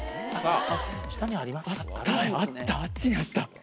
あっちにあった。